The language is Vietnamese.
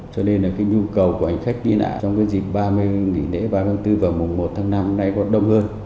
cho nên nhu cầu của khách như thế này trong dịp ba mươi tháng bốn và một tháng năm nay còn đông hơn